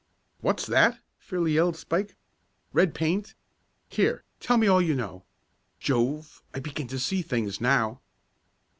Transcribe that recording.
"What's that?" fairly yelled Spike. "Red paint? Here, tell me all you know! Jove, I begin to see things now!"